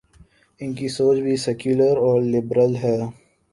ان کی سوچ بھی سیکولر اور لبرل ہے۔